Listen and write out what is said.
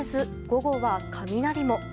午後は雷も。